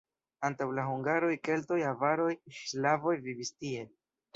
Antaŭ la hungaroj keltoj, avaroj, slavoj vivis tie.